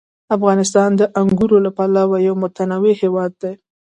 افغانستان د انګورو له پلوه یو متنوع هېواد دی.